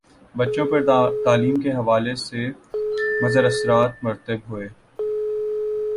بچوں پر تعلیم کے حوالے سے مضراثرات مرتب ہوئے